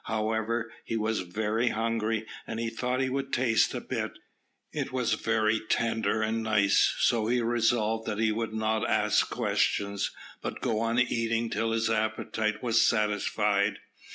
However, he was very hungry, and he thought he would taste a bit. It was very tender and nice, so he resolved that he would not ask questions, but go on eating till his appetite was satisfied.